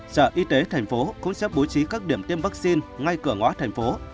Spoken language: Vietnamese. sở y tế tp hcm cũng sẽ bố trí các điểm tiêm vaccine ngay cửa ngó tp hcm